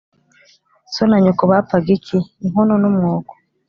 So na nyoko bapfaga iki ?-Inkono n'umwuko